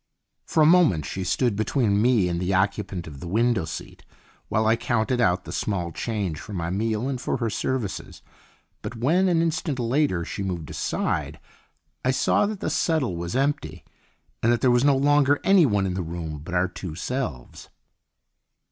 For a moment she stood between me and the occupant of the window seat while I counted out the small change for my meal and for her services; but when, an instant later, she moved aside, I saw that the settle was empty and that there was no longer anyone in the room but our two selves.